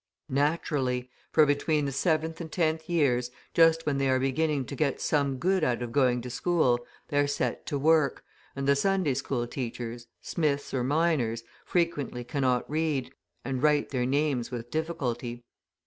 Naturally, for between the seventh and tenth years, just when they are beginning to get some good out of going to school, they are set to work, and the Sunday school teachers, smiths or miners, frequently cannot read, and write their names with difficulty.